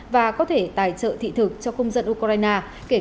và có thể tài trợ thị thực cho công dân ukraine